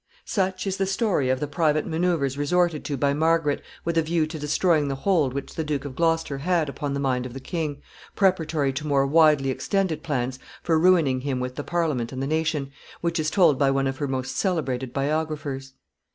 ] Such is the story of the private manoeuvres resorted to by Margaret with a view to destroying the hold which the Duke of Gloucester had upon the mind of the king, preparatory to more widely extended plans for ruining him with the Parliament and the nation, which is told by one of her most celebrated biographers.